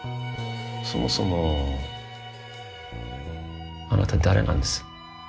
そもそもあなた誰なんです？